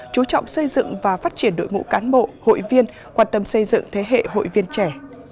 chú trọng xây dựng và phát triển đội ngũ cán bộ hội viên quan tâm xây dựng thế hệ hội viên trẻ